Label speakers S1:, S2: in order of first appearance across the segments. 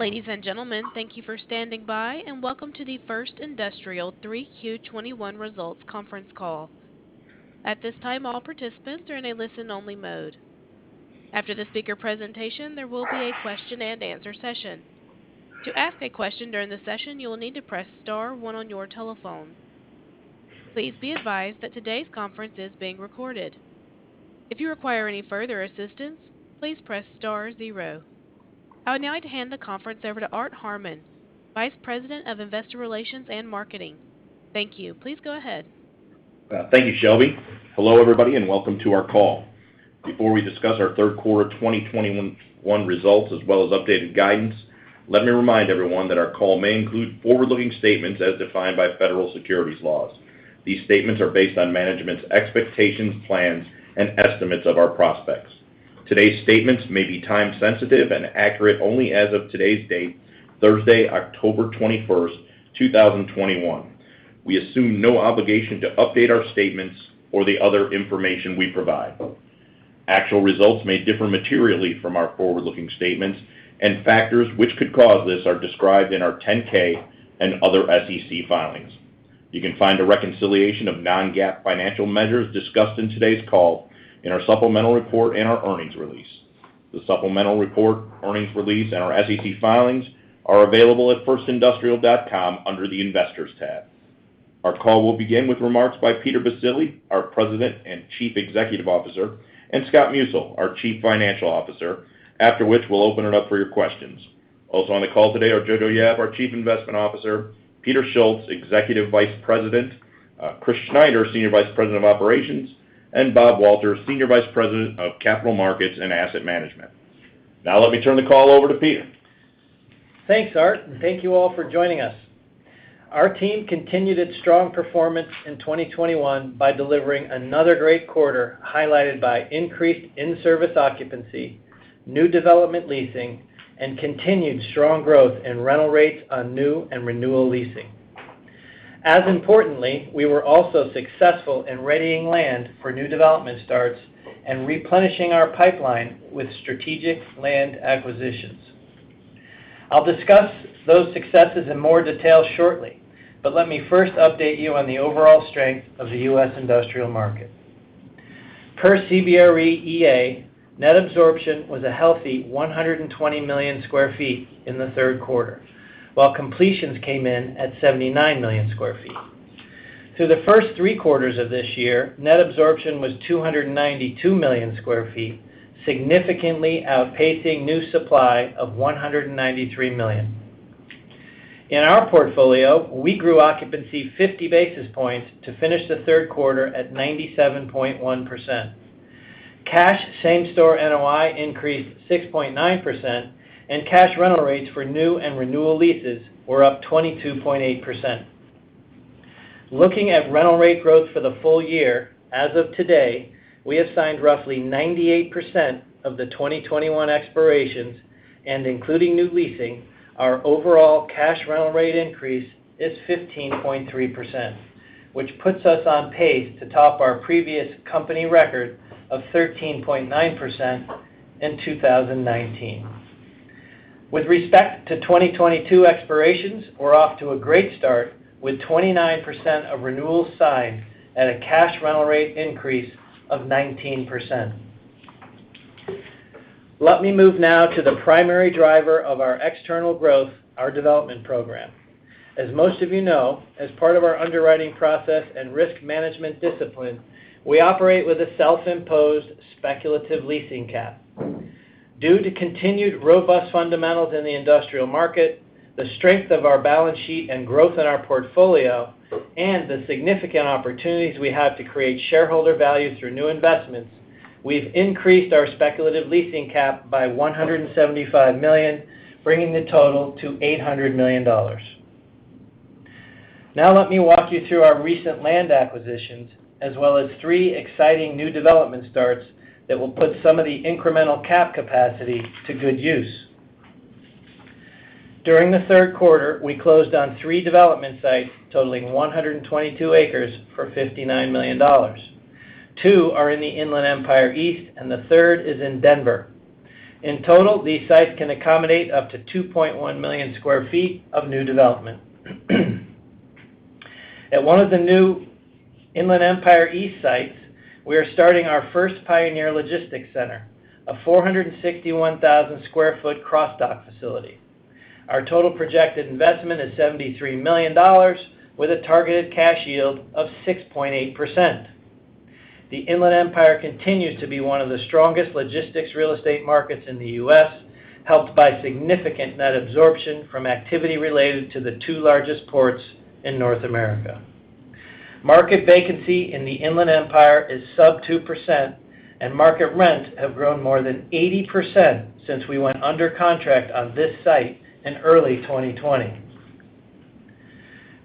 S1: Ladies and gentlemen, thank you for standing by, and welcome to the First Industrial 3Q 2021 results conference call. At this time, all participants are in a listen-only mode. After the speaker presentation, there will be a question-and-answer session. To ask a question during the session, you will need to press star one on your telephone. Please be advised that today's conference is being recorded. If you require any further assistance, please press star zero. I would now like to hand the conference over to Art Harmon, Vice President of Investor Relations and Marketing. Thank you. Please go ahead.
S2: Thank you, Shelby. Hello, everybody, welcome to our call. Before we discuss our third quarter 2021 results as well as updated guidance, let me remind everyone that our call may include forward-looking statements as defined by federal securities laws. These statements are based on management's expectations, plans, and estimates of our prospects. Today's statements may be time sensitive and accurate only as of today's date, Thursday, October 21st, 2021. We assume no obligation to update our statements or the other information we provide. Actual results may differ materially from our forward-looking statements, and factors which could cause this are described in our 10-K and other SEC filings. You can find a reconciliation of non-GAAP financial measures discussed in today's call in our supplemental report and our earnings release. The supplemental report, earnings release, and our SEC filings are available at firstindustrial.com under the Investors tab. Our call will begin with remarks by Peter Baccile, our President and Chief Executive Officer, and Scott Musil, our Chief Financial Officer, after which we will open it up for your questions. On the call today are Jojo Yap, our Chief Investment Officer, Peter Schultz, Executive Vice President, Chris Schneider, Senior Vice President of Operations, and Bob Walter, Senior Vice President of Capital Markets and Asset Management. Let me turn the call over to Peter.
S3: Thanks, Art, and thank you all for joining us. Our team continued its strong performance in 2021 by delivering another great quarter, highlighted by increased in-service occupancy, new development leasing, and continued strong growth in rental rates on new and renewal leasing. As importantly, we were also successful in readying land for new development starts and replenishing our pipeline with strategic land acquisitions. I'll discuss those successes in more detail shortly but let me first update you on the overall strength of the U.S. industrial market. Per CBRE EA, net absorption was a healthy 120 million sq ft in the third quarter, while completions came in at 79 million sq ft. Through the first three quarters of this year, net absorption was 292 million sq ft, significantly outpacing new supply of 193 million. In our portfolio, we grew occupancy 50 basis points to finish the third quarter at 97.1%. Cash same store NOI increased 6.9%. Cash rental rates for new and renewal leases were up 22.8%. Looking at rental rate growth for the full year, as of today, we have signed roughly 98% of the 2021 expirations, and including new leasing, our overall cash rental rate increase is 15.3%, which puts us on pace to top our previous company record of 13.9% in 2019. With respect to 2022 expirations, we're off to a great start with 29% of renewals signed at a cash rental rate increase of 19%. Let me move now to the primary driver of our external growth, our development program. As most of you know, as part of our underwriting process and risk management discipline, we operate with a self-imposed speculative leasing cap. Due to continued robust fundamentals in the industrial market, the strength of our balance sheet and growth in our portfolio, and the significant opportunities we have to create shareholder value through new investments, we've increased our speculative leasing cap by $175 million, bringing the total to $800 million. Now let me walk you through our recent land acquisitions, as well as three exciting new development starts that will put some of the incremental cap capacity to good use. During the third quarter, we closed on three development sites totaling 122 acres for $59 million. Two are in the Inland Empire East, and the third is in Denver. In total, these sites can accommodate up to 2.1 million sq ft of new development. At one of the new Inland Empire East sites, we are starting our First Pioneer Logistics Center, a 461,000 sq ft cross-dock facility. Our total projected investment is $73 million with a targeted cash yield of 6.8%. The Inland Empire continues to be one of the strongest logistics real estate markets in the U.S., helped by significant net absorption from activity related to the two largest ports in North America. Market vacancy in the Inland Empire is sub 2%, and market rents have grown more than 80% since we went under contract on this site in early 2020.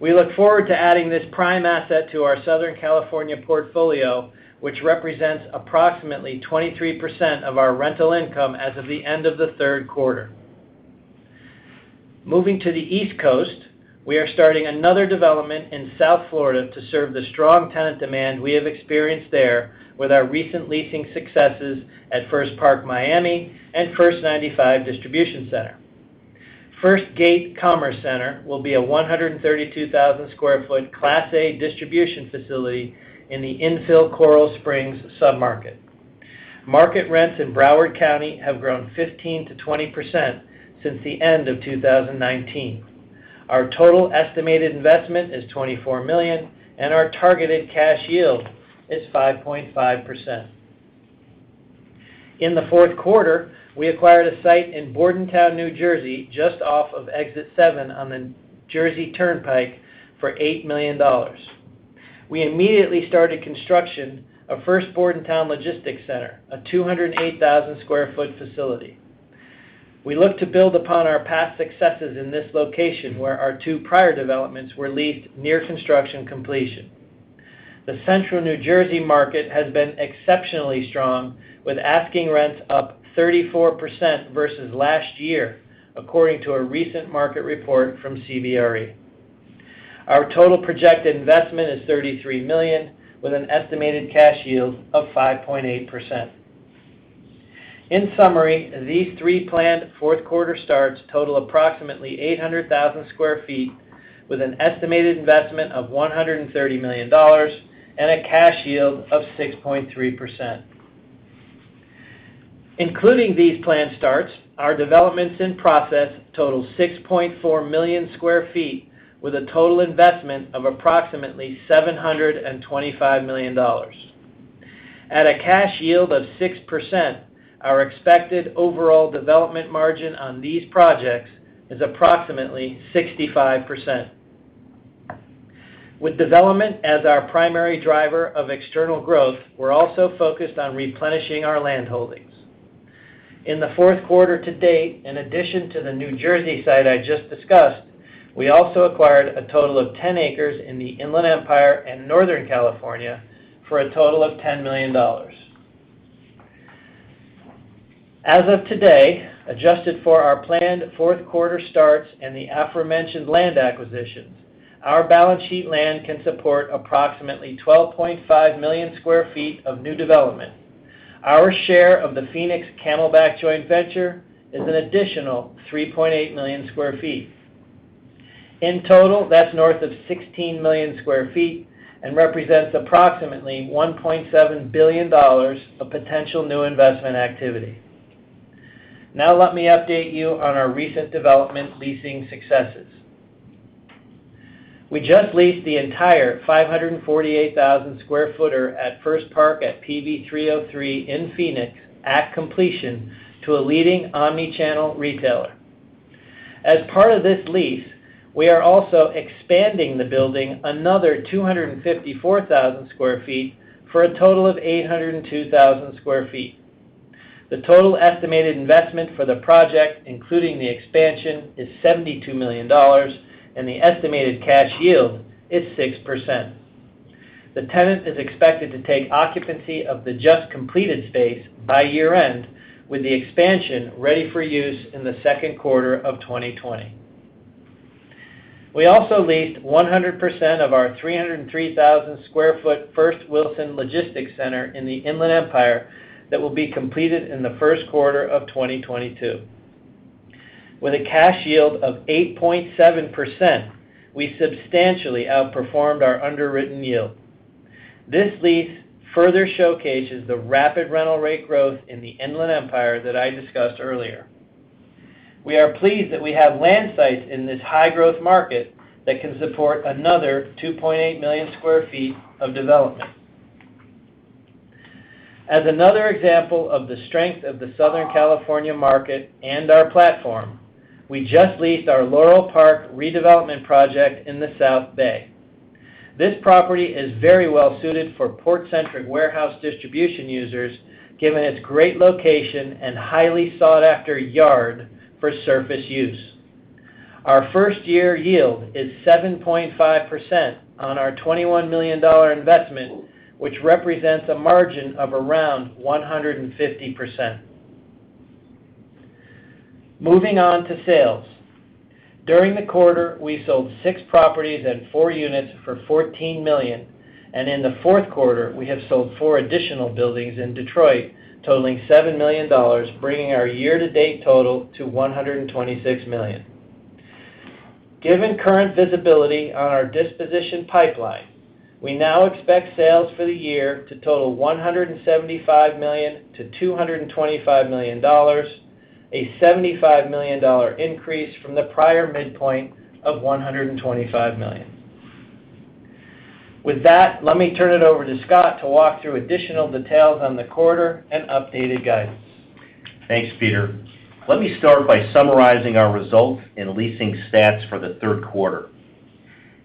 S3: We look forward to adding this prime asset to our Southern California portfolio, which represents approximately 23% of our rental income as of the end of the third quarter. Moving to the East Coast, we are starting another development in South Florida to serve the strong tenant demand we have experienced there with our recent leasing successes at First Park Miami and First 95 Distribution Center. FirstGate Commerce Center will be a 132,000 sq ft Class A distribution facility in the infill Coral Springs sub-market. Market rents in Broward County have grown 15%-20% since the end of 2019. Our total estimated investment is $24 million, and our targeted cash yield is 5.5%. In the fourth quarter, we acquired a site in Bordentown, New Jersey, just off of Exit 7 on the Jersey Turnpike for $8 million. We immediately started construction of First Bordentown Logistics Center, a 208,000 sq ft facility. We look to build upon our past successes in this location, where our two prior developments were leased near construction completion. The central New Jersey market has been exceptionally strong, with asking rents up 34% versus last year, according to a recent market report from CBRE. Our total projected investment is $33 million, with an estimated cash yield of 5.8%. In summary, these three planned fourth-quarter starts total approximately 800,000 sq ft, with an estimated investment of $130 million and a cash yield of 6.3%. Including these planned starts, our developments in process total 6.4 million sq ft, with a total investment of approximately $725 million. At a cash yield of 6%, our expected overall development margin on these projects is approximately 65%. With development as our primary driver of external growth, we're also focused on replenishing our land holdings. In the fourth quarter to date, in addition to the New Jersey site I just discussed, we also acquired a total of 10 acres in the Inland Empire and Northern California for a total of $10 million. As of today, adjusted for our planned fourth quarter starts and the aforementioned land acquisitions, our balance sheet land can support approximately 12.5 million sq ft of new development. Our share of the Phoenix Camelback joint venture is an additional 3.8 million sq ft. In total, that's north of 16 million sq ft and represents approximately $1.7 billion of potential new investment activity. Now, let me update you on our recent development leasing successes. We just leased the entire 548,000 sq ft at First Park @ PV303 in Phoenix at completion to a leading omni-channel retailer. As part of this lease, we are also expanding the building another 254,000 sq ft for a total of 802,000 sq ft. The total estimated investment for the project, including the expansion, is $72 million, and the estimated cash yield is 6%. The tenant is expected to take occupancy of the just completed space by year-end, with the expansion ready for use in the second quarter of 2020. We also leased 100% of our 303,000 sq ft First Wilson Logistics Center in the Inland Empire that will be completed in the first quarter of 2022. With a cash yield of 8.7%, we substantially outperformed our underwritten yield. This lease further showcases the rapid rental rate growth in the Inland Empire that I discussed earlier. We are pleased that we have land sites in this high-growth market that can support another 2.8 million sq ft of development. As another example of the strength of the Southern California market and our platform, we just leased our Laurel Park redevelopment project in the South Bay. This property is very well-suited for port-centric warehouse distribution users, given its great location and highly sought-after yard for surface use. Our first-year yield is 7.5% on our $21 million investment, which represents a margin of around 150%. Moving on to sales. During the quarter, we sold six properties and four units for $14 million, and in the fourth quarter, we have sold four additional buildings in Detroit totaling $7 million, bringing our year-to-date total to $126 million. Given current visibility on our disposition pipeline, we now expect sales for the year to total $175 million-$225 million, a $75 million increase from the prior midpoint of $125 million. With that, let me turn it over to Scott to walk through additional details on the quarter and updated guidance.
S4: Thanks, Peter. Let me start by summarizing our results and leasing stats for the third quarter.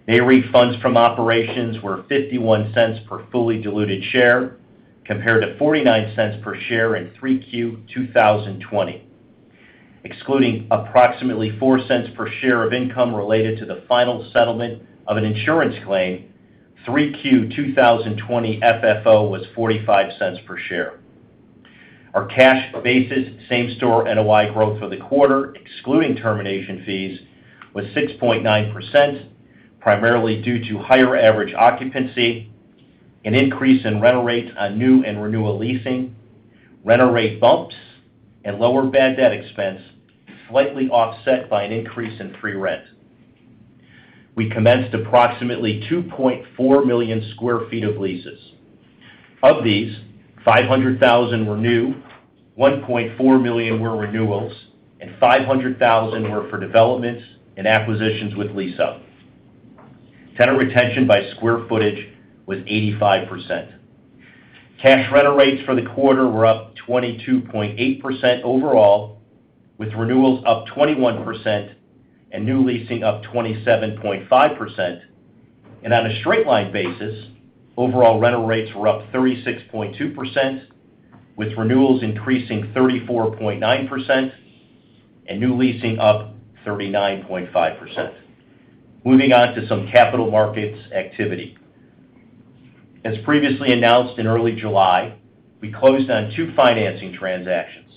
S4: NAREIT funds from operations were $0.51 per fully diluted share, compared to $0.49 per share in 3Q 2020. Excluding approximately $0.04 per share of income related to the final settlement of an insurance claim, 3Q 2020 FFO was $0.45 per share. Our cash basis same-store NOI growth for the quarter, excluding termination fees, was 6.9%, primarily due to higher average occupancy, an increase in rental rates on new and renewal leasing, rental rate bumps, and lower bad debt expense, slightly offset by an increase in free rent. We commenced approximately 2.4 million sq ft of leases. Of these, 500,000 were new, 1.4 million were renewals, and 500,000 were for developments and acquisitions with lease up. Tenant retention by sq ft was 85%. Cash rental rates for the quarter were up 22.8% overall, with renewals up 21% and new leasing up 27.5%. On a straight-line basis, overall rental rates were up 36.2%, with renewals increasing 34.9% and new leasing up 39.5%. Moving on to some capital markets activity. As previously announced in early July, we closed on two financing transactions.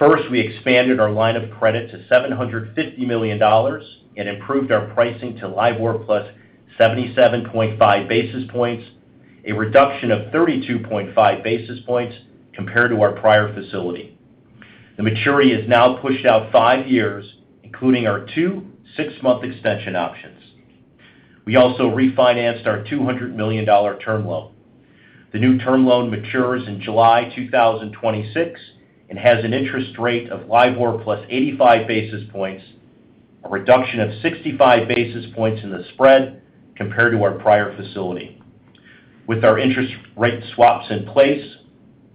S4: First, we expanded our line of credit to $750 million and improved our pricing to LIBOR plus 77.5 basis points, a reduction of 32.5 basis points compared to our prior facility. The maturity is now pushed out five years, including our two six-month extension options. We also refinanced our $200 million term loan. The new term loan matures in July 2026 and has an interest rate of LIBOR plus 85 basis points, a reduction of 65 basis points in the spread compared to our prior facility. With our interest rate swaps in place,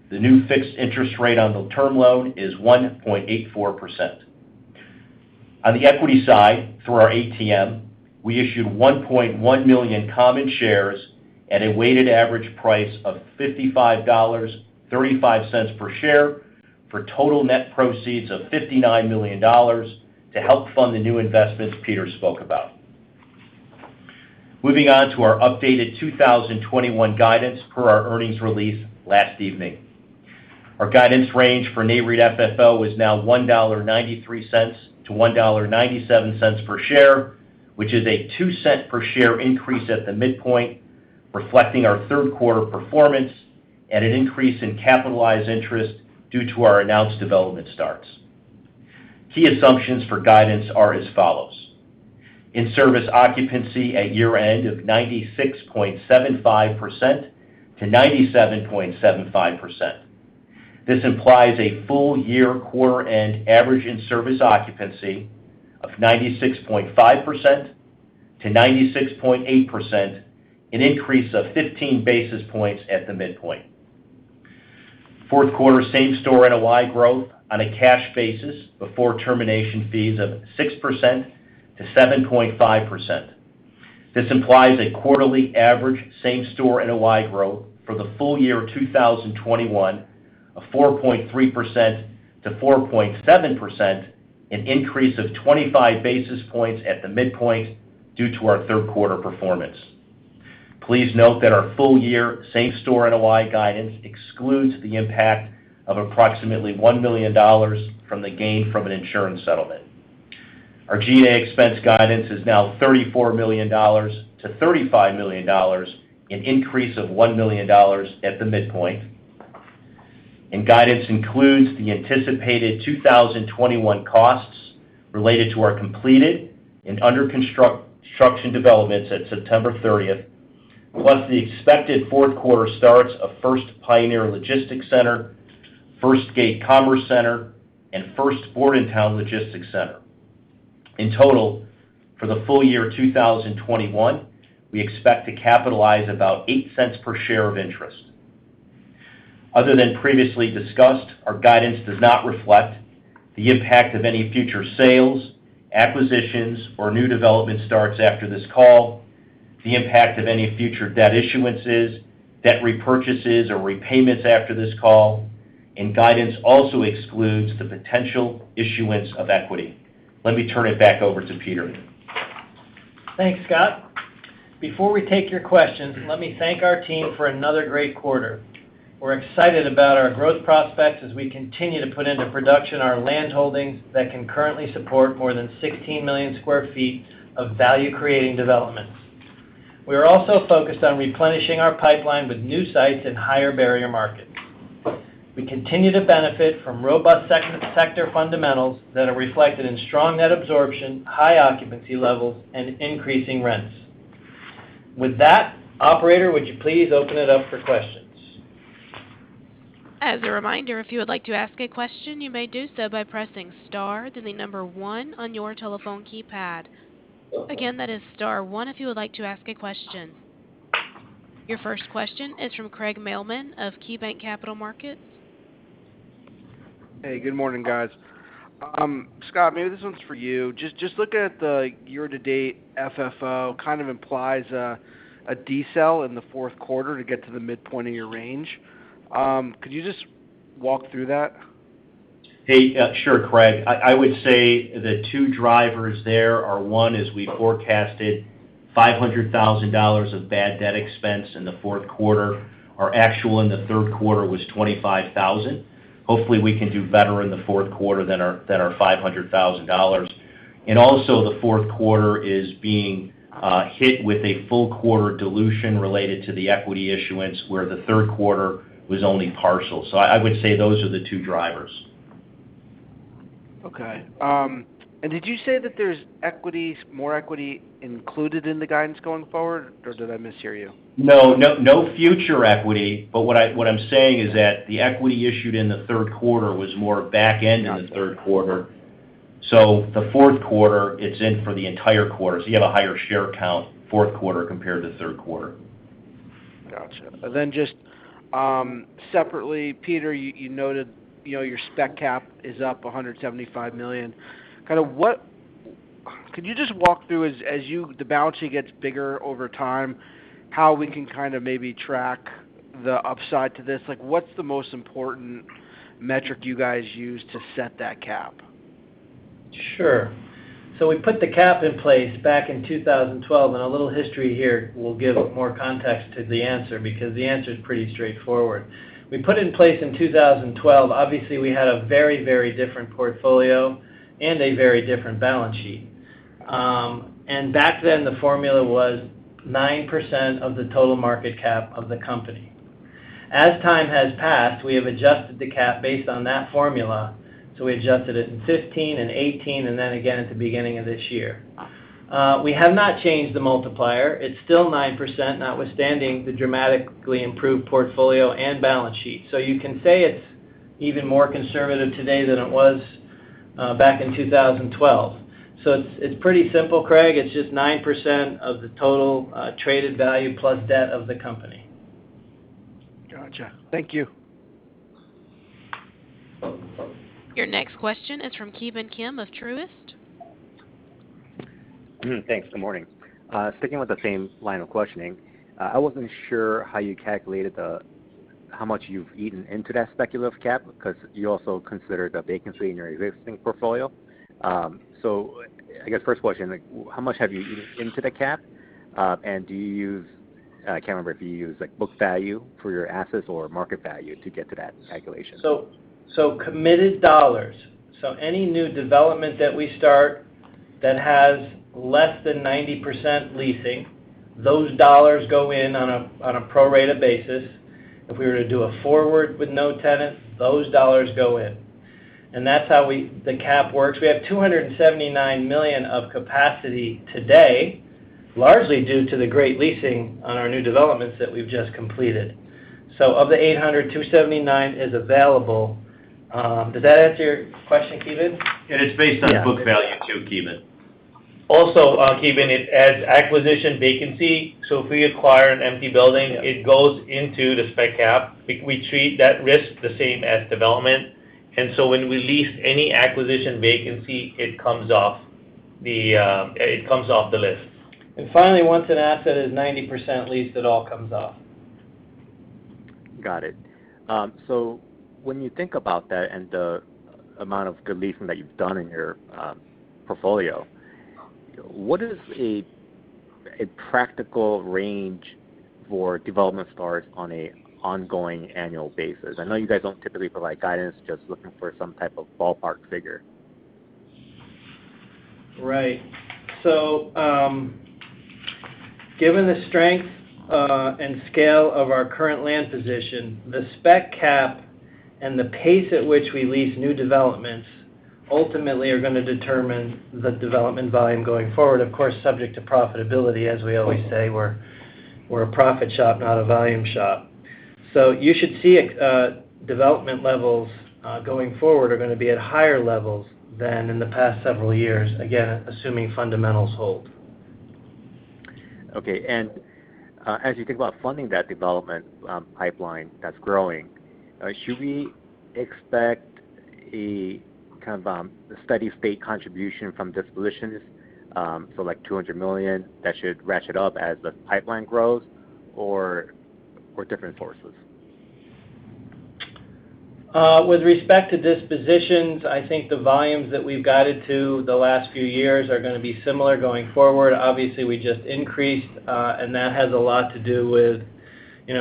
S4: the new fixed interest rate on the term loan is 1.84%. On the equity side, through our ATM, we issued 1.1 million common shares at a weighted average price of $55.35 per share for total net proceeds of $59 million to help fund the new investments Peter spoke about. Moving on to our updated 2021 guidance per our earnings release last evening. Our guidance range for Nareit FFO is now $1.93-$1.97 per share, which is a $0.02 per share increase at the midpoint, reflecting our third quarter performance and an increase in capitalized interest due to our announced development starts. Key assumptions for guidance are as follows. In-service occupancy at year-end of 96.75%-97.75%. This implies a full-year quarter-end average in-service occupancy of 96.5%-96.8%, an increase of 15 basis points at the midpoint. Fourth quarter same-store NOI growth on a cash basis before termination fees of 6%-7.5%. This implies a quarterly average same-store NOI growth for the full year 2021 of 4.3%-4.7%, an increase of 25 basis points at the midpoint due to our third quarter performance. Please note that our full-year same-store NOI guidance excludes the impact of approximately $1 million from the gain from an insurance settlement. Our G&A expense guidance is now $34 million-$35 million, an increase of $1 million at the midpoint. Guidance includes the anticipated 2021 costs related to our completed and under-construction developments at September 30th, plus the expected fourth-quarter starts of First Pioneer Logistics Center, First Gate Commerce Center, and First Bordentown Logistics Center. In total, for the full year 2021, we expect to capitalize about $0.08 per share of interest. Other than previously discussed, our guidance does not reflect the impact of any future sales, acquisitions, or new development starts after this call, the impact of any future debt issuances, debt repurchases, or repayments after this call, and guidance also excludes the potential issuance of equity. Let me turn it back over to Peter.
S3: Thanks, Scott. Before we take your questions, let me thank our team for another great quarter. We're excited about our growth prospects as we continue to put into production our land holdings that can currently support more than 16 million sq ft of value-creating developments. We are also focused on replenishing our pipeline with new sites in higher-barrier markets. We continue to benefit from robust sector fundamentals that are reflected in strong net absorption, high occupancy levels, and increasing rents. With that, operator, would you please open it up for questions?
S1: As a reminder, if you would like to ask a question, you may do so by pressing star, then the number one on your telephone keypad. Again, that is star one if you would like to ask a question. Your first question is from Craig Mailman of KeyBanc Capital Markets.
S5: Hey, good morning, guys. Scott, maybe this one's for you. Just looking at the year-to-date FFO kind of implies a decel in the fourth quarter to get to the midpoint of your range. Could you just walk through that?
S4: Hey. Sure, Craig. I would say the two drivers there are one is we forecasted $500,000 of bad debt expense in the fourth quarter. Our actual in the third quarter was $25,000. Hopefully, we can do better in the fourth quarter than our $500,000. Also, the fourth quarter is being hit with a full quarter dilution related to the equity issuance where the third quarter was only partial. I would say those are the two drivers.
S5: Okay. Did you say that there's more equity included in the guidance going forward, or did I mishear you?
S4: No, no future equity, but what I'm saying is that the equity issued in the third quarter was more back-end in the third quarter. The fourth quarter, it's in for the entire quarter. You have a higher share count fourth quarter compared to third quarter.
S5: Got you. Just separately, Peter, you noted your spec cap is up $175 million. Can you just walk through as the balance sheet gets bigger over time, how we can maybe track the upside to this? What's the most important metric you guys use to set that cap?
S3: Sure. We put the cap in place back in 2012, and a little history here will give more context to the answer, because the answer's pretty straightforward. We put it in place in 2012. Obviously, we had a very different portfolio and a very different balance sheet. Back then, the formula was 9% of the total market cap of the company. As time has passed, we have adjusted the cap based on that formula, so we adjusted it in 2015 and 2018, and then again at the beginning of this year. We have not changed the multiplier. It's still 9%, notwithstanding the dramatically improved portfolio and balance sheet. You can say it's even more conservative today than it was back in 2012. It's pretty simple, Craig. It's just 9% of the total traded value plus debt of the company.
S5: Got you. Thank you.
S1: Your next question is from Ki Bin Kim of Truist.
S6: Thanks. Good morning. Sticking with the same line of questioning, I wasn't sure how you calculated how much you've eaten into that speculative cap because you also considered the vacancy in your existing portfolio. I guess first question, how much have you eaten into the cap? I can't remember if you use book value for your assets or market value to get to that calculation.
S3: Committed dollars. Any new development that we start that has less than 90% leasing, those dollars go in on a pro rata basis. If we were to do a forward with no tenant, those dollars go in. That's how the cap works. We have $279 million of capacity today, largely due to the great leasing on our new developments that we've just completed. Of the $800 million-$279 million is available. Does that answer your question, Ki Bin?
S4: It's based on book value, too, Ki Bin.
S7: Also, Ki Bin, it adds acquisition vacancy. If we acquire an empty building.
S6: Yeah.
S7: It goes into the spec cap. We treat that risk the same as development. When we lease any acquisition vacancy, it comes off the list.
S3: Finally, once an asset is 90% leased, it all comes off.
S6: Got it. When you think about that and the amount of good leasing that you've done in your portfolio, what is a practical range for development starts on an ongoing annual basis? I know you guys don't typically provide guidance, just looking for some type of ballpark figure.
S3: Right. Given the strength, and scale of our current land position, the spec cap and the pace at which we lease new developments ultimately are going to determine the development volume going forward. Of course, subject to profitability, as we always say, we're a profit shop, not a volume shop. You should see development levels, going forward are going to be at higher levels than in the past several years. Again, assuming fundamentals hold.
S6: Okay. As you think about funding that development pipeline that's growing, should we expect a kind of a steady state contribution from dispositions? Like $200 million that should ratchet up as the pipeline grows, or different sources?
S3: With respect to dispositions, I think the volumes that we've guided to the last few years are going to be similar going forward. Obviously, we just increased. That has a lot to do with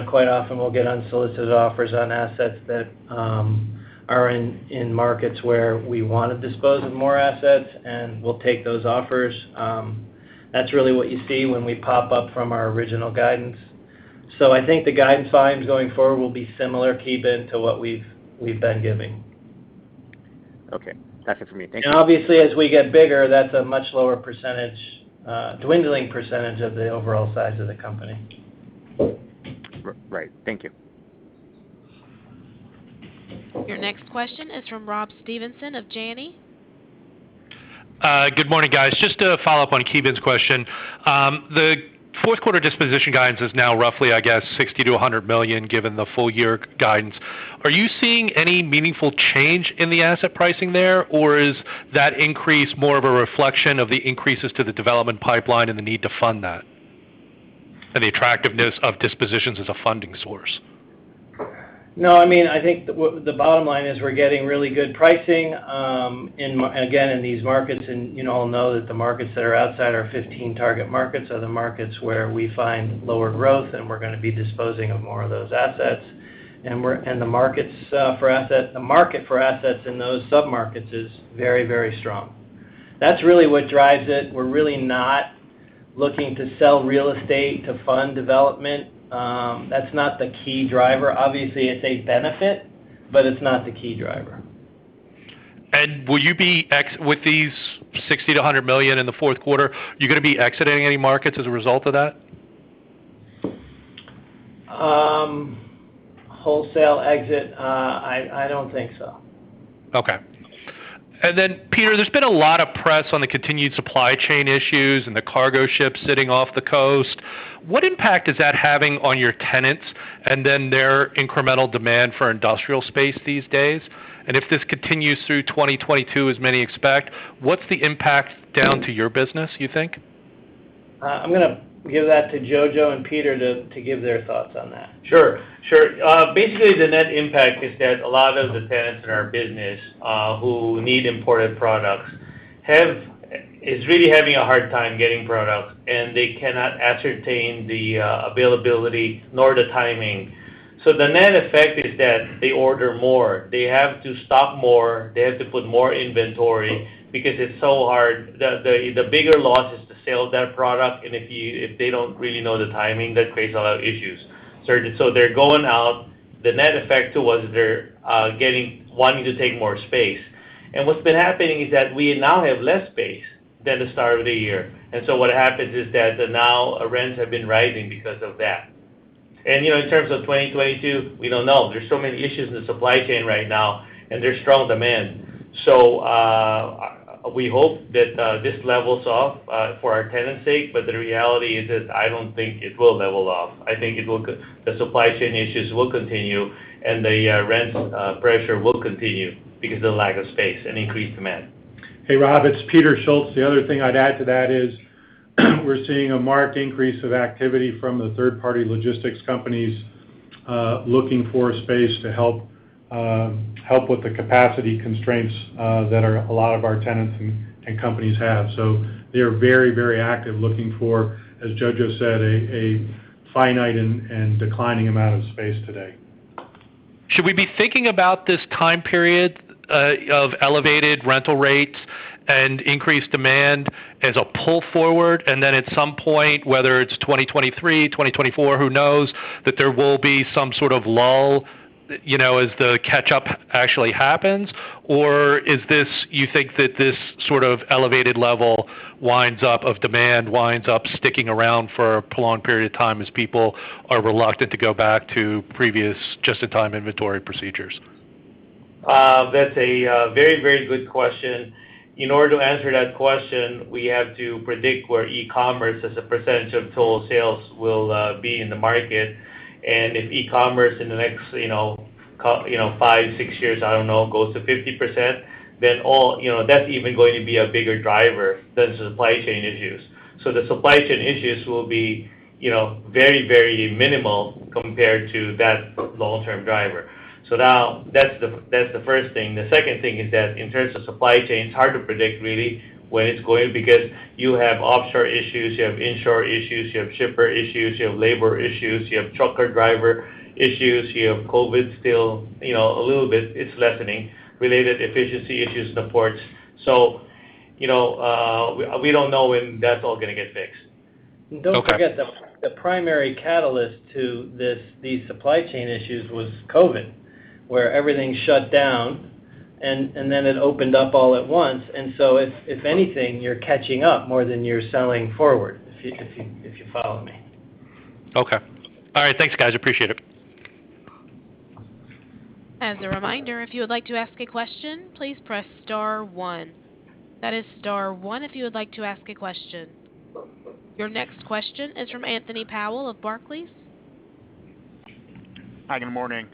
S3: quite often we'll get unsolicited offers on assets that are in markets where we want to dispose of more assets, and we'll take those offers. That's really what you see when we pop up from our original guidance. I think the guidance volumes going forward will be similar, Ki Bin, to what we've been giving.
S6: Okay. That's it for me. Thank you.
S3: Obviously, as we get bigger, that's a much lower percentage, dwindling percentage of the overall size of the company.
S6: Right. Thank you.
S1: Your next question is from Rob Stevenson of Janney.
S8: Good morning, guys. Just to follow up on Ki Bin's question. The fourth quarter disposition guidance is now roughly, I guess, $60 million-$100 million, given the full-year guidance. Are you seeing any meaningful change in the asset pricing there, or is that increase more of a reflection of the increases to the development pipeline and the need to fund that, and the attractiveness of dispositions as a funding source?
S4: No, I think the bottom line is we're getting really good pricing, again, in these markets. You all know that the markets that are outside our 15 target markets are the markets where we find lower growth, and we're going to be disposing of more of those assets. The market for assets in those sub-markets is very strong. That's really what drives it. We're really not looking to sell real estate to fund development. That's not the key driver. Obviously, it's a benefit, but it's not the key driver.
S8: With these $60 million-$100 million in the fourth quarter, you going to be exiting any markets as a result of that?
S4: Wholesale exit? I don't think so.
S8: Okay. Peter, there's been a lot of press on the continued supply chain issues and the cargo ships sitting off the coast. What impact is that having on your tenants and then their incremental demand for industrial space these days? If this continues through 2022, as many expect, what's the impact down to your business, you think?
S3: I'm going to give that to Jojo and Peter to give their thoughts on that.
S7: Sure. Basically, the net impact is that a lot of the tenants in our business, who need imported products, is really having a hard time getting products, and they cannot ascertain the availability nor the timing. The net effect is that they order more. They have to stock more, they have to put more inventory because it's so hard. The bigger loss is the sale of that product, and if they don't really know the timing, that creates a lot of issues. They're going out. The net effect to us is they're wanting to take more space. What's been happening is that we now have less space than the start of the year. What happens is that now rents have been rising because of that. In terms of 2022, we don't know. There's so many issues in the supply chain right now, and there's strong demand. We hope that this levels off for our tenants' sake, but the reality is that I don't think it will level off. I think the supply chain issues will continue and the rent pressure will continue because of the lack of space and increased demand.
S9: Hey, Rob, it's Peter Schultz. The other thing I'd add to that is we're seeing a marked increase of activity from the third-party logistics companies looking for space to help with the capacity constraints that a lot of our tenants and companies have. They are very active, looking for, as Jojo Yap said, a finite and declining amount of space today.
S8: Should we be thinking about this time period of elevated rental rates and increased demand as a pull forward, and then at some point, whether it's 2023, 2024, who knows, that there will be some sort of lull as the catch-up actually happens? Or you think that this sort of elevated level of demand winds up sticking around for a prolonged period of time as people are reluctant to go back to previous just-in-time inventory procedures?
S7: That's a very good question. In order to answer that question, we have to predict where e-commerce, as a percentage of total sales, will be in the market. If e-commerce in the next five, six years, I don't know, goes to 50%, then that's even going to be a bigger driver than supply chain issues. The supply chain issues will be very minimal compared to that long-term driver. That's the first thing. The second thing is that in terms of supply chain, it's hard to predict really when it's going, because you have offshore issues, you have inshore issues, you have shipper issues, you have labor issues, you have trucker driver issues. You have COVID still, a little bit, it's lessening, related efficiency issues in the ports. We don't know when that's all going to get fixed.
S3: Don't forget, the primary catalyst to these supply chain issues was COVID, where everything shut down, and then it opened up all at once. If anything, you're catching up more than you're selling forward, if you follow me.
S8: Okay. All right. Thanks, guys. Appreciate it.
S1: As a reminder, if you would like to ask a question, please press star one. That is star one if you would like to ask a question. Your next question is from Anthony Powell of Barclays.
S10: Hi, good morning.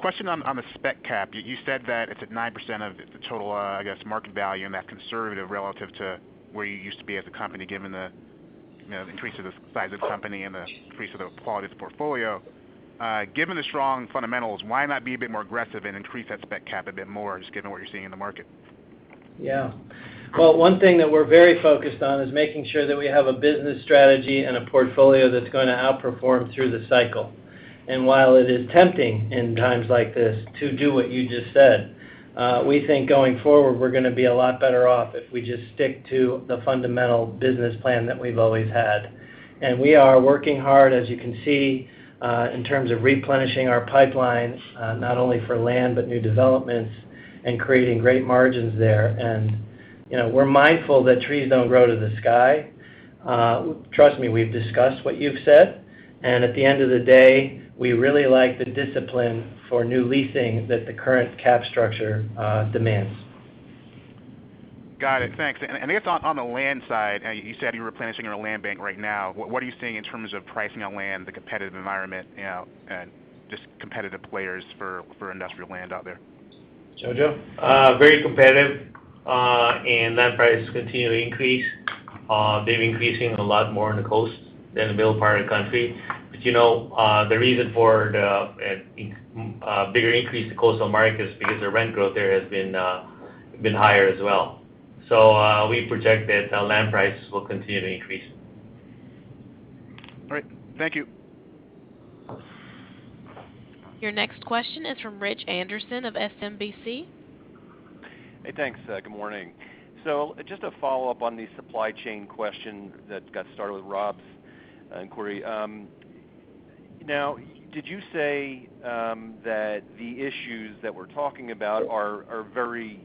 S10: Question on the spec cap. You said that it's at 9% of the total, I guess, market value. That's conservative relative to where you used to be as a company given the increase of the size of the company and the increase of the quality of the portfolio. Given the strong fundamentals, why not be a bit more aggressive and increase that spec cap a bit more, just given what you're seeing in the market?
S3: Well, one thing that we're very focused on is making sure that we have a business strategy and a portfolio that's going to outperform through the cycle. While it is tempting in times like this to do what you just said, we think going forward we're going to be a lot better off if we just stick to the fundamental business plan that we've always had. We are working hard, as you can see, in terms of replenishing our pipelines, not only for land, but new developments and creating great margins there. We're mindful that trees don't grow to the sky. Trust me, we've discussed what you've said. At the end of the day, we really like the discipline for new leasing that the current cap structure demands.
S10: Got it. Thanks. I guess on the land side, you said you're replenishing your land bank right now. What are you seeing in terms of pricing on land, the competitive environment, and just competitive players for industrial land out there?
S3: Jojo?
S7: Very competitive. Land prices continue to increase. They're increasing a lot more on the coast than the middle part of the country. The reason for the bigger increase in the coastal market is because the rent growth there has been higher as well. We project that land prices will continue to increase.
S10: All right. Thank you.
S1: Your next question is from Rich Anderson of SMBC.
S11: Hey, thanks. Good morning. Just a follow-up on the supply chain question that got started with Rob's inquiry. Did you say that the issues that we're talking about are very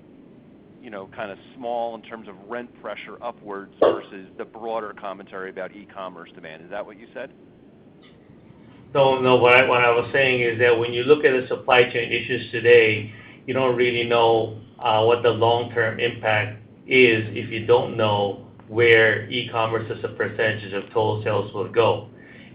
S11: small in terms of rent pressure upwards versus the broader commentary about e-commerce demand? Is that what you said?
S7: No. What I was saying is that when you look at the supply chain issues today, you don't really know what the long-term impact is if you don't know where e-commerce as a percent of total sales would go.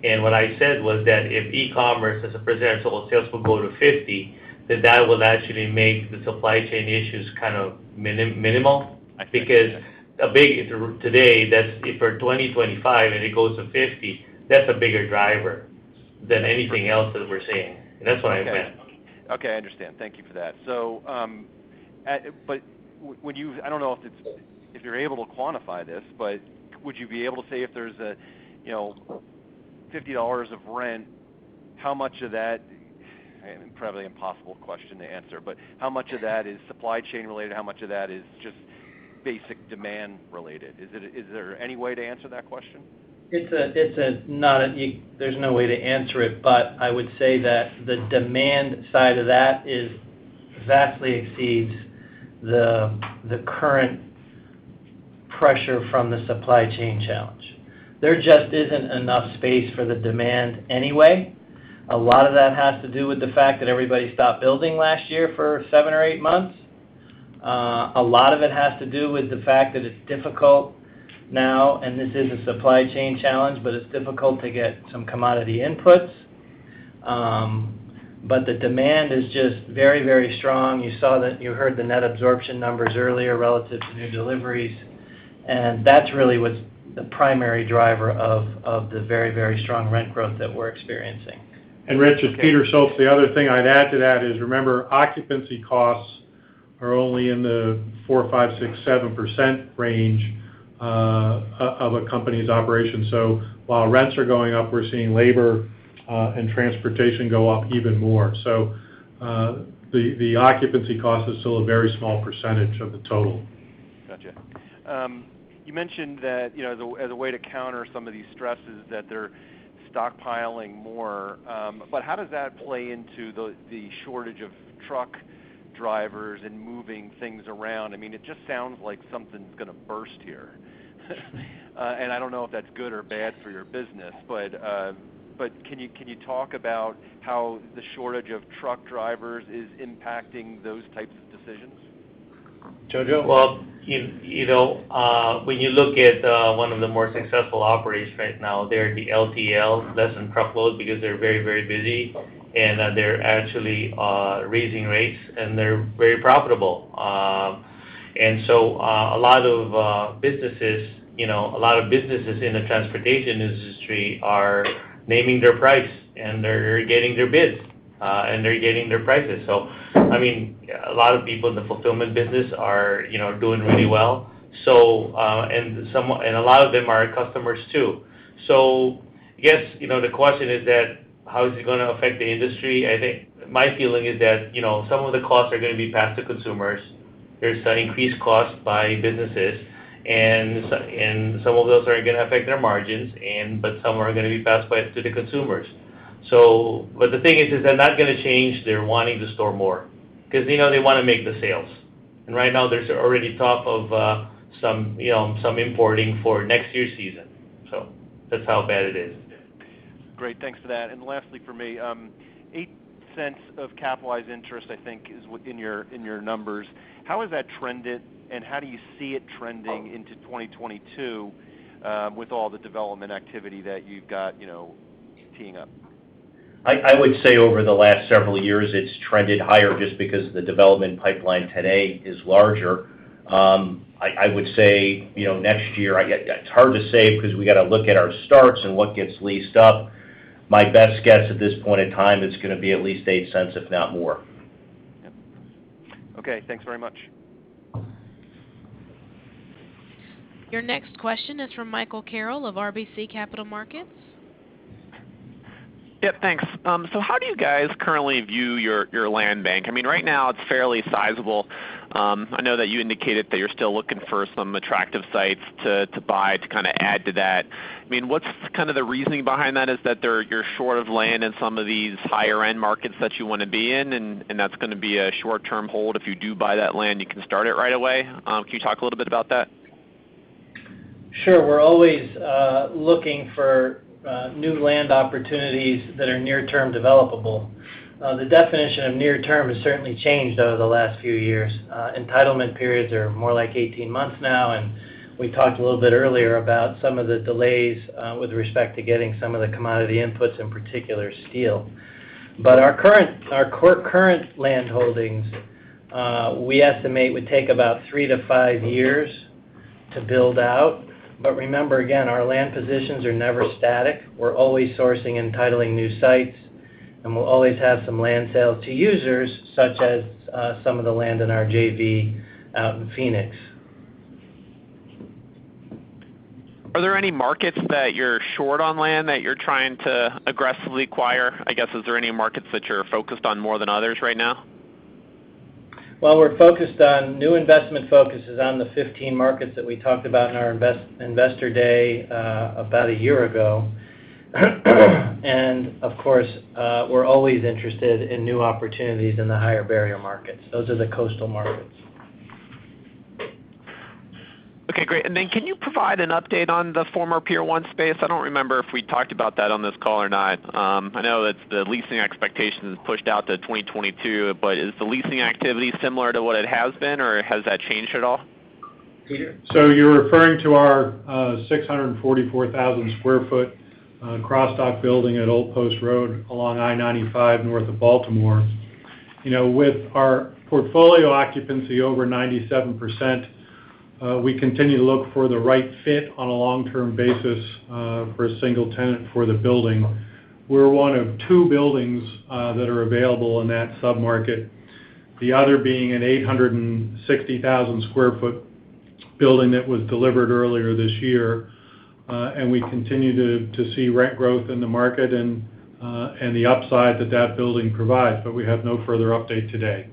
S7: What I said was that if e-commerce, as a percent of total sales, will go to 50, then that will actually make the supply chain issues kind of minimal. If today that's for 2025, and it goes to 50, that's a bigger driver than anything else that we're seeing. That's what I meant.
S11: Okay. I understand. Thank you for that. I don't know if you're able to quantify this, but would you be able to say if there's a $50 of rent, probably impossible question to answer, but how much of that is supply chain-related? How much of that is just basic demand related? Is there any way to answer that question?
S3: There's no way to answer it, but I would say that the demand side of that vastly exceeds the current pressure from the supply chain challenge. There just isn't enough space for the demand anyway. A lot of that has to do with the fact that everybody stopped building last year for seven or eight months. A lot of it has to do with the fact that it's difficult now, and this is a supply chain challenge, but it's difficult to get some commodity inputs. The demand is just very, very strong. You heard the net absorption numbers earlier relative to new deliveries, and that's really what's the primary driver of the very, very strong rent growth that we're experiencing.
S9: Rich, it's Peter Schultz. The other thing I'd add to that is, remember, occupancy costs are only in the 4%, 5%, 6%, 7% range of a company's operation. While rents are going up, we're seeing labor and transportation go up even more. The occupancy cost is still a very small percentage of the total.
S11: Got you. You mentioned that as a way to counter some of these stresses, that they're stockpiling more. How does that play into the shortage of truck drivers and moving things around? It just sounds like something's going to burst here. I don't know if that's good or bad for your business, but can you talk about how the shortage of truck drivers is impacting those types of decisions?
S3: Jojo?
S7: Well, when you look at one of the more successful operators right now, they're the LTL, less than truckload, because they're very, very busy, and they're actually raising rates, and they're very profitable. A lot of businesses in the transportation industry are naming their price, and they're getting their bids, and they're getting their prices. A lot of people in the fulfillment business are doing really well. A lot of them are our customers, too. I guess, the question is that, how is it going to affect the industry? I think my feeling is that some of the costs are going to be passed to consumers. There's an increased cost by businesses, and some of those are going to affect their margins, but some are going to be passed to the consumers. The thing is, they're not going to change. They're wanting to store more because they know they want to make the sales. Right now, they're already top of some importing for next year's season. That's how bad it is.
S11: Great. Thanks for that. Lastly from me, $0.08 of capitalized interest, I think, is in your numbers. How has that trended, and how do you see it trending into 2022 with all the development activity that you've got teeing up?
S4: I would say over the last several years, it's trended higher just because the development pipeline today is larger. I would say, next year, it's hard to say because we got to look at our starts and what gets leased up. My best guess at this point in time, it's going to be at least $0.08, if not more.
S11: Yep. Okay, thanks very much.
S1: Your next question is from Michael Carroll of RBC Capital Markets.
S12: Yep, thanks. How do you guys currently view your land bank? Right now it's fairly sizable. I know that you indicated that you're still looking for some attractive sites to buy to kind of add to that. What's kind of the reasoning behind that? Is that you're short of land in some of these higher-end markets that you want to be in, and that's going to be a short-term hold? If you do buy that land, you can start it right away? Can you talk a little bit about that?
S3: Sure. We're always looking for new land opportunities that are near-term developable. The definition of near-term has certainly changed over the last few years. Entitlement periods are more like 18 months now, and we talked a little bit earlier about some of the delays with respect to getting some of the commodity inputs, in particular steel. Our current land holdings, we estimate, would take about three-five years to build out. Remember, again, our land positions are never static. We're always sourcing and titling new sites, and we'll always have some land sales to users, such as some of the land in our JV out in Phoenix.
S12: Are there any markets that you're short on land that you're trying to aggressively acquire? I guess, is there any markets that you're focused on more than others right now?
S3: Well, we're focused on new investment focuses on the 15 markets that we talked about in our Investor Day about a year ago. Of course, we're always interested in new opportunities in the higher barrier markets. Those are the coastal markets.
S12: Okay, great. Can you provide an update on the former Pier 1 space? I don't remember if we talked about that on this call or not. I know it's the leasing expectations pushed out to 2022, is the leasing activity similar to what it has been, or has that changed at all?
S9: You're referring to our 644,000 sq ft cross-dock building at Old Post Road along I-95, North of Baltimore. With our portfolio occupancy over 97%, we continue to look for the right fit on a long-term basis for a single tenant for the building. We're one of two buildings that are available in that sub-market, the other being an 860,000 sq ft building that was delivered earlier this year. We continue to see rent growth in the market and the upside that that building provides. We have no further update today.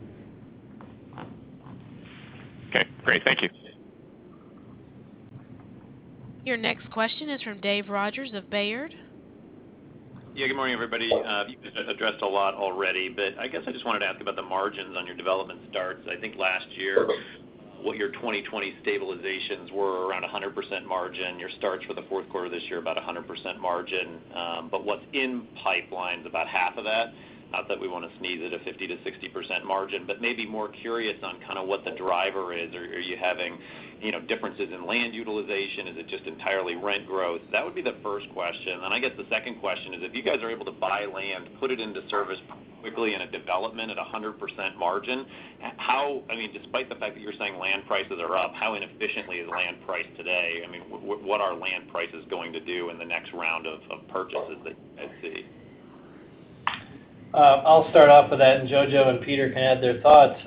S12: Okay, great. Thank you.
S1: Your next question is from Dave Rodgers of Baird.
S13: Yeah. Good morning, everybody. You guys addressed a lot already, but I guess I just wanted to ask about the margins on your development starts. I think last year, what your 2020 stabilizations were around 100% margin. Your starts for the fourth quarter of this year, about 100% margin. What's in pipeline's about half of that. Not that we want to sneeze at a 50%-60% margin, but maybe more curious on kind of what the driver is. Are you having differences in land utilization? Is it just entirely rent growth? That would be the first question. I guess the second question is, if you guys are able to buy land, put it into service quickly in a development at 100% margin, despite the fact that you're saying land prices are up, how inefficiently is land priced today? What are land prices going to do in the next round of purchases at City?
S3: I'll start off with that, and Jojo and Peter can add their thoughts.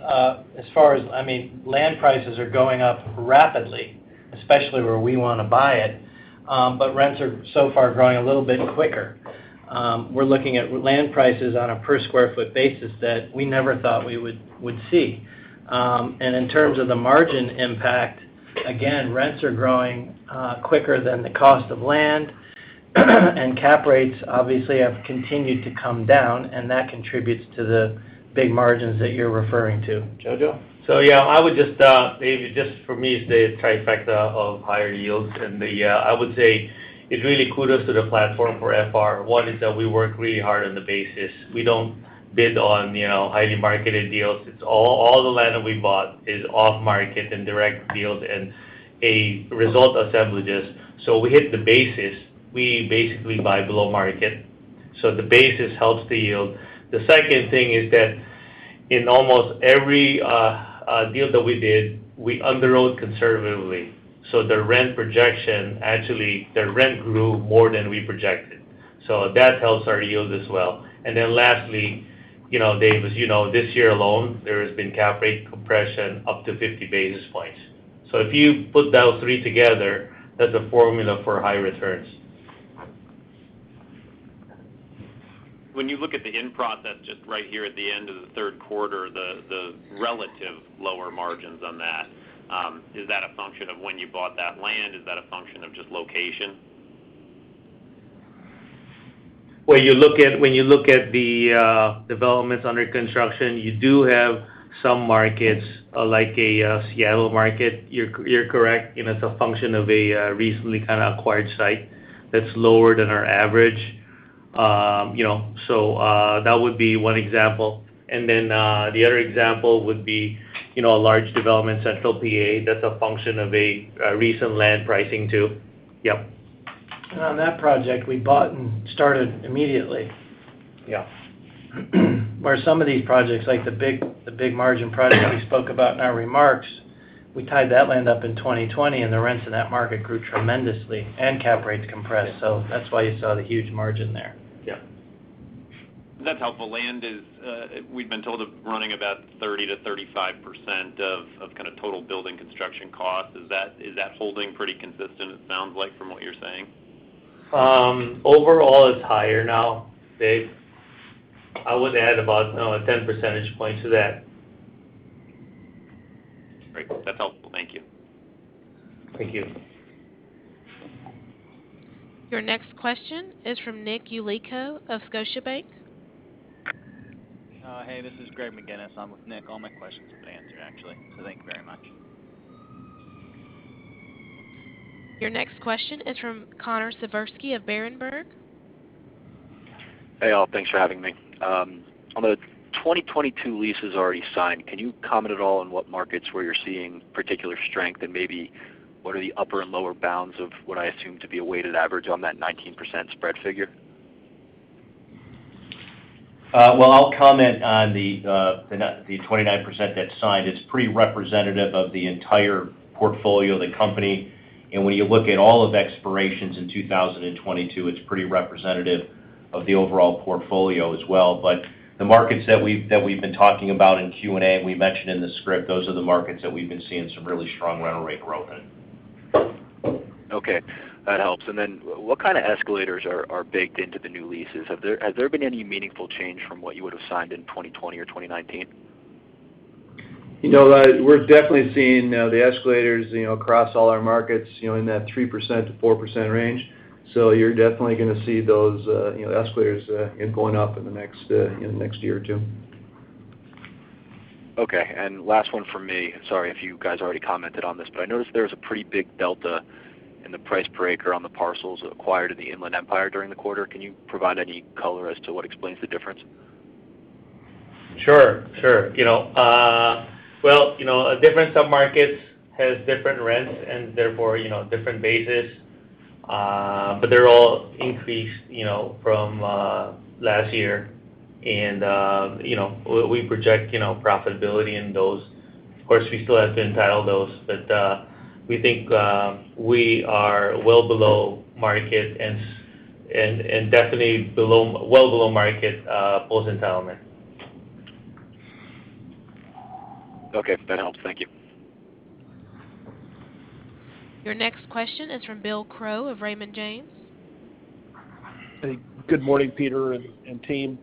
S3: As far as, I mean, land prices are going up rapidly, especially where we want to buy it, but rents are so far growing a little bit quicker. We're looking at land prices on a per square foot basis that we never thought we would see. In terms of the margin impact, again, rents are growing quicker than the cost of land, and cap rates obviously have continued to come down, and that contributes to the big margins that you're referring to. Jojo?
S7: Yeah, I would just, maybe just for me, it's the trifecta of higher yields. I would say it's really kudos to the platform for FR. One is that we work really hard on the basis. We don't bid on highly marketed deals. All the land that we bought is off market and direct deals and a result of assemblages. We hit the basis, we basically buy below market. The basis helps the yield. The second thing is that in almost every deal that we did, we underwrote conservatively. The rent projection, actually, the rent grew more than we projected. That helps our yield as well. Lastly, Dave, as you know, this year alone, there has been cap rate compression up to 50 basis points. If you put those three together, that's a formula for high returns.
S13: When you look at the in-process, just right here at the end of the third quarter, the relative lower margins on that, is that a function of when you bought that land? Is that a function of just location?
S7: When you look at the developments under construction, you do have some markets, like a Seattle market, you're correct. It's a function of a recently kind of acquired site that's lower than our average. That would be one example. The other example would be a large development, Central PA That's a function of a recent land pricing too. Yep.
S9: On that project, we bought and started immediately.
S7: Yeah.
S3: Where some of these projects, like the big margin project we spoke about in our remarks, we tied that land up in 2020, and the rents in that market grew tremendously, and cap rates compressed. That's why you saw the huge margin there.
S7: Yeah.
S13: That's helpful. Land is, we've been told, running about 30%-35% of kind of total building construction cost. Is that holding pretty consistent, it sounds like, from what you're saying?
S7: Overall, it's higher now, Dave. I would add about 10 percentage points to that.
S13: Great. That's helpful. Thank you.
S7: Thank you.
S1: Your next question is from Nick Yulico of Scotiabank.
S14: Hey, this is Greg McGinniss. I'm with Nick. All my questions have been answered, actually. Thank you very much.
S1: Your next question is from Connor Siversky of Berenberg.
S15: Hey, all. Thanks for having me. On the 2022 leases already signed, can you comment at all on what markets where you're seeing particular strength, and maybe what are the upper and lower bounds of what I assume to be a weighted average on that 19% spread figure?
S7: Well, I'll comment on the 29% that signed. It's pretty representative of the entire portfolio of the company. When you look at all of the expirations in 2022, it's pretty representative of the overall portfolio as well. The markets that we've been talking about in Q&A, and we mentioned in the script, those are the markets that we've been seeing some really strong rental rate growth in.
S15: Okay. That helps. What kind of escalators are baked into the new leases? Has there been any meaningful change from what you would've signed in 2020 or 2019?
S7: We're definitely seeing the escalators, across all our markets, in that 3%-4% range. You're definitely going to see those escalators going up in the next year or two.
S15: Okay, last one from me. Sorry if you guys already commented on this, I noticed there was a pretty big delta in the price per acre on the parcels acquired in the Inland Empire during the quarter. Can you provide any color as to what explains the difference?
S7: Sure. Well, different sub-markets have different rents and therefore, different bases. They're all increased from last year, and we project profitability in those. Of course, we still have to entitle those, but we think we are well below market and definitely well below market post entitlement.
S15: Okay. That helps. Thank you.
S1: Your next question is from Bill Crow of Raymond James.
S16: Good morning, Peter and team.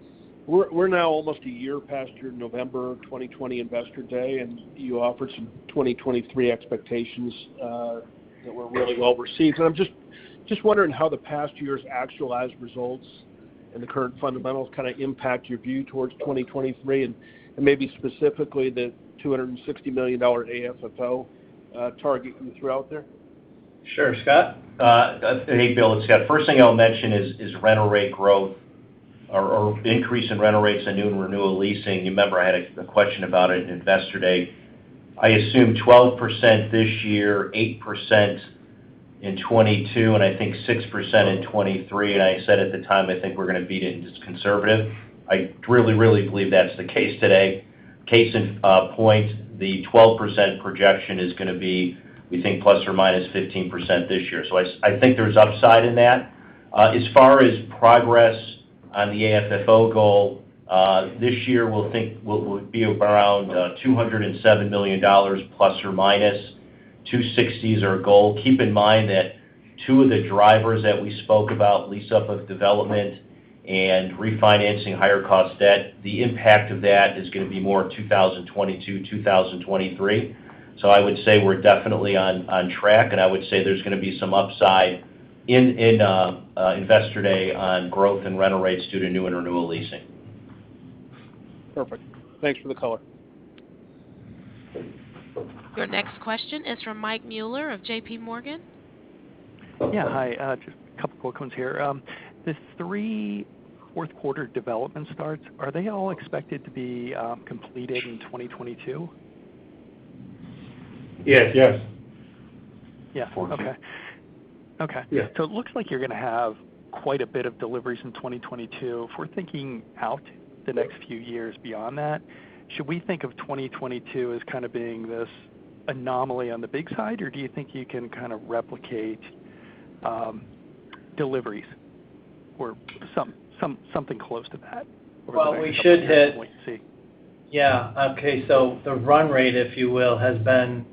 S16: We're now almost a year past your November 2020 Investor Day, and you offered some 2023 expectations that were really well-received. I'm just wondering how the past year's actualized results and the current fundamentals kind of impact your view towards 2023, and maybe specifically the $260 million AFFO target you threw out there.
S3: Sure. Scott?
S4: Hey, Bill. It's Scott. First thing I'll mention is rental rate growth or increase in rental rates on new and renewal leasing. You remember I had a question about it in Investor Day. I assume 12% this year, 8% in 2022, and I think 6% in 2023. I said at the time, I think we're going to beat it and it's conservative. I really believe that's the case today. Case in point, the 12% projection is going to be, we think, ±15% this year. I think there's upside in that. As far as progress on the AFFO goal, this year we'll think we'll be around $207 million ±$260 is our goal. Keep in mind that two of the drivers that we spoke about, lease-up of development and refinancing higher cost debt, the impact of that is going to be more 2022, 2023. I would say we're definitely on track, and I would say there's going to be some upside in Investor Day on growth and rental rates due to new and renewal leasing.
S16: Perfect. Thanks for the color.
S1: Your next question is from Mike Mueller of JPMorgan.
S17: Yeah. Hi. Just a couple of quick ones here. The three fourth quarter development starts, are they all expected to be completed in 2022?
S3: Yes. Yes.
S17: Yeah. Okay.
S3: Four.
S17: Okay. Yeah. It looks like you're going to have quite a bit of deliveries in 2022. If we're thinking out the next few years beyond that, should we think of 2022 as kind of being this anomaly on the big side, or do you think you can kind of replicate deliveries or something close to that?
S3: Well, we should. Yeah. Okay, the run rate, if you will, has been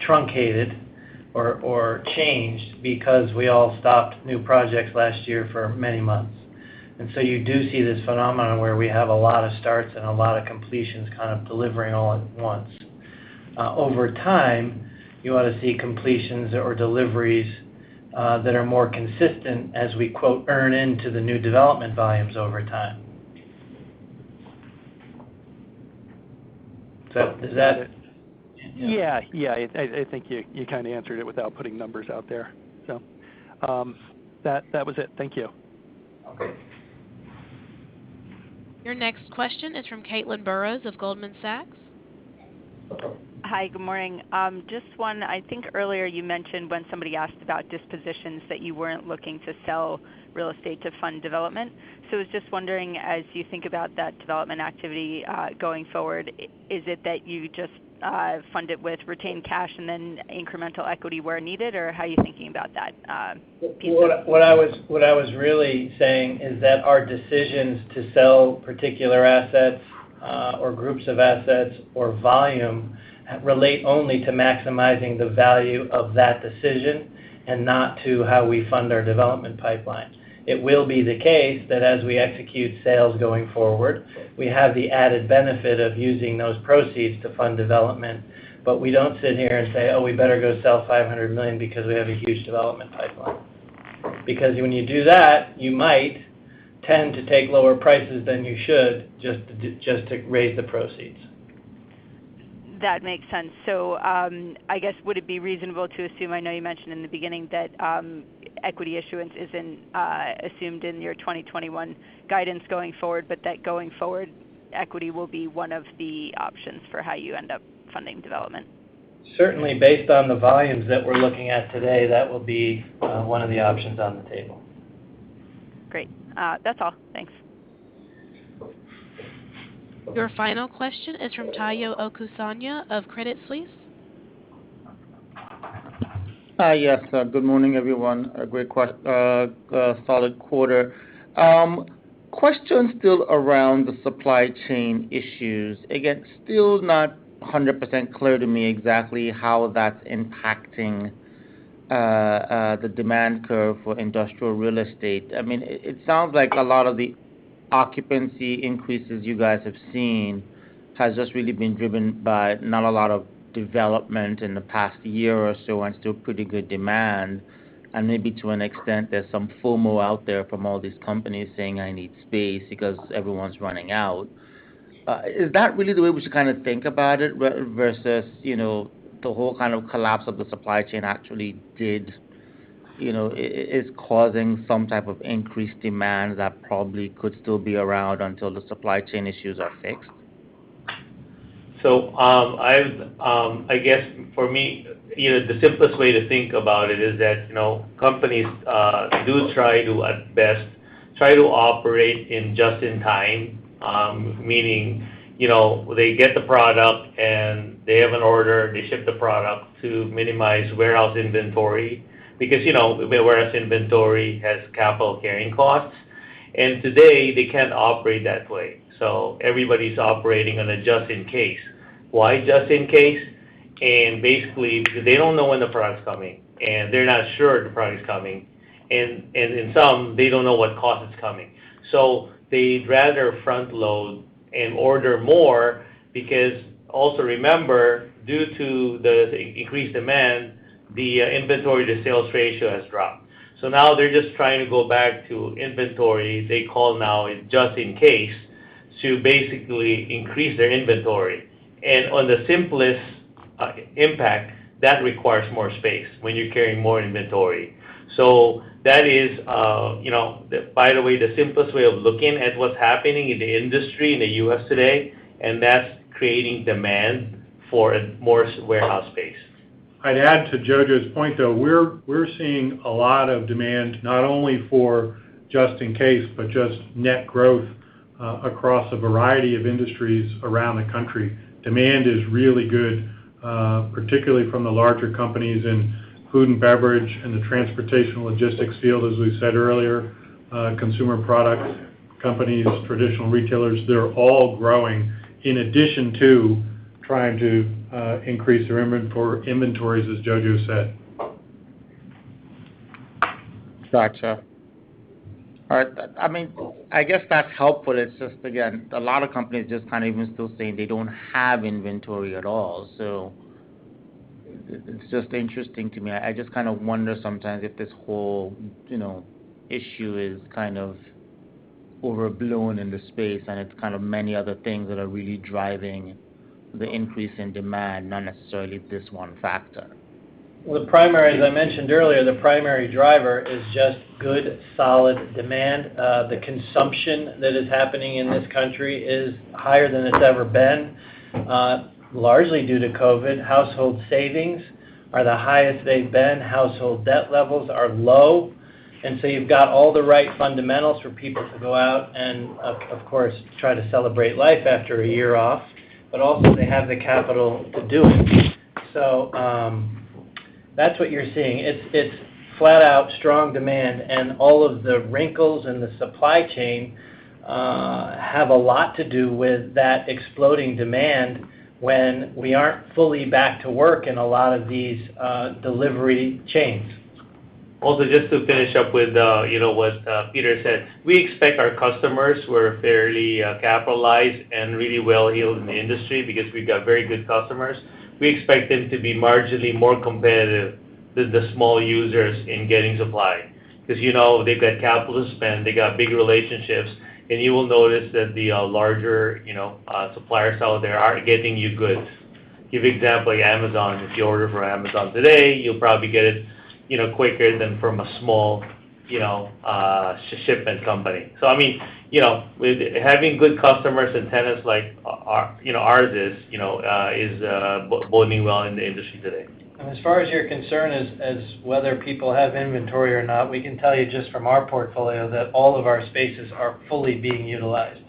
S3: truncated or changed because we all stopped new projects last year for many months. You do see this phenomenon where we have a lot of starts and a lot of completions kind of delivering all at once. Over time, you ought to see completions or deliveries that are more consistent as we, quote, "earn into the new development volumes over time." Is that it?
S17: I think you kind of answered it without putting numbers out there. That was it. Thank you.
S3: Okay.
S1: Your next question is from Caitlin Burrows of Goldman Sachs.
S18: Hi. Good morning. Just one. I think earlier you mentioned when somebody asked about dispositions that you weren't looking to sell real estate to fund development. I was just wondering, as you think about that development activity going forward, is it that you just fund it with retained cash and then incremental equity where needed, or how are you thinking about that piece of it?
S3: What I was really saying is that our decisions to sell particular assets or groups of assets or volume relate only to maximizing the value of that decision and not to how we fund our development pipeline. It will be the case that as we execute sales going forward, we have the added benefit of using those proceeds to fund development, but we don't sit here and say, "Oh, we better go sell $500 million because we have a huge development pipeline." Because when you do that, you might tend to take lower prices than you should just to raise the proceeds.
S18: That makes sense. I guess would it be reasonable to assume, I know you mentioned in the beginning that equity issuance isn't assumed in your 2021 guidance going forward, but that going forward, equity will be one of the options for how you end up funding development?
S3: Certainly, based on the volumes that we're looking at today, that will be one of the options on the table.
S18: Great. That's all. Thanks.
S1: Your final question is from Tayo Okusanya of Credit Suisse.
S19: Yes. Good morning, everyone. A great, solid quarter. Question still around the supply chain issues. Again, still not 100% clear to me exactly how that's impacting the demand curve for industrial real estate. It sounds like a lot of the occupancy increases you guys have seen has just really been driven by not a lot of development in the past year or so and still pretty good demand. Maybe to an extent, there's some FOMO out there from all these companies saying, "I need space," because everyone's running out. Is that really the way we should think about it, versus the whole kind of collapse of the supply chain actually is causing some type of increased demand that probably could still be around until the supply chain issues are fixed?
S7: I guess for me, the simplest way to think about it is that companies do try to, at best, try to operate in just in time, meaning, they get the product and they have an order, they ship the product to minimize warehouse inventory because warehouse inventory has capital carrying costs. Today, they can't operate that way. Everybody's operating on a just in case. Why just in case? Basically, because they don't know when the product's coming, and they're not sure the product is coming, and in some, they don't know what cost is coming. They'd rather front load and order more because also remember, due to the increased demand, the inventory to sales ratio has dropped. Now they're just trying to go back to inventory, they call now a just in case, to basically increase their inventory. On the simplest impact, that requires more space when you're carrying more inventory. That is, by the way, the simplest way of looking at what's happening in the industry in the U.S. today, and that's creating demand for more warehouse space.
S9: I'd add to Jojo's point, though, we're seeing a lot of demand, not only for just in case, but just net growth, across a variety of industries around the country. Demand is really good, particularly from the larger companies in food and beverage and the transportation logistics field, as we said earlier, consumer products companies, traditional retailers. They're all growing in addition to trying to increase their inventories, as Jojo said.
S19: Got you. All right. I guess that's helpful. It's just, again, a lot of companies just kind of even still saying they don't have inventory at all. It's just interesting to me. I just kind of wonder sometimes if this whole issue is kind of overblown in the space, and it's kind of many other things that are really driving the increase in demand, not necessarily this one factor.
S3: Well, as I mentioned earlier, the primary driver is just good, solid demand. The consumption that is happening in this country is higher than it's ever been, largely due to COVID. Household savings are the highest they've been. Household debt levels are low. You've got all the right fundamentals for people to go out and, of course, try to celebrate life after a year off. Also, they have the capital to do it. That's what you're seeing. It's flat out strong demand, and all of the wrinkles in the supply chain have a lot to do with that exploding demand when we aren't fully back to work in a lot of these delivery chains.
S7: Just to finish up with what Peter said. We expect our customers who are fairly capitalized and really well-heeled in the industry because we've got very good customers. We expect them to be marginally more competitive than the small users in getting supply because they've got capital to spend. They got big relationships, you will notice that the larger suppliers out there are getting you goods. Give example, like Amazon. If you order from Amazon today, you'll probably get it quicker than from a small shipment company. Having good customers and tenants like ours is boding well in the industry today.
S3: As far as your concern is as whether people have inventory or not, we can tell you just from our portfolio that all of our spaces are fully being utilized.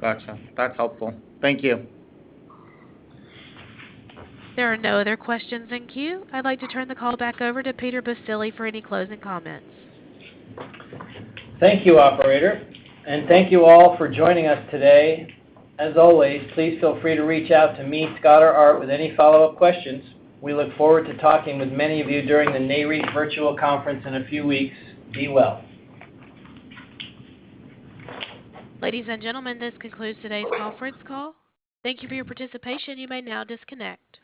S19: Got you. That's helpful. Thank you.
S1: There are no other questions in queue. I'd like to turn the call back over to Peter Baccile for any closing comments.
S3: Thank you, operator. Thank you all for joining us today. As always, please feel free to reach out to me, Scott, or Art with any follow-up questions. We look forward to talking with many of you during the NAREIT virtual conference in a few weeks. Be well.
S1: Ladies and gentlemen, this concludes today's conference call. Thank you for your participation. You may now disconnect.